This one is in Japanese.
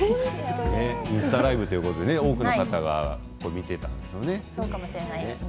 インスタライブで多くの方が見ていたんですね。